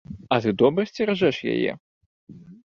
А ты добра сцеражэш яе?